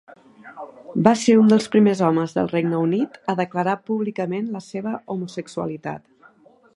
Va ser un dels primers homes del Regne Unit a declarar públicament la seva homosexualitat.